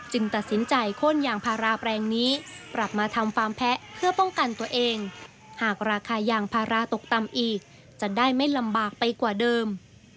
จังภาราตกต่ำอีกจะได้ไม่ลำบากไปกว่าเดิม